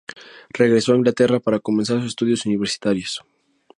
Regresó a Inglaterra para comenzar sus estudios universitarios.